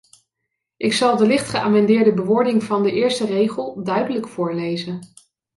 Ik zal de licht geamendeerde bewoording van de eerste regel duidelijk voorlezen.